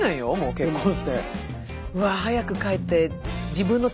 結婚して。